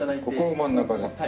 ここを真ん中ね。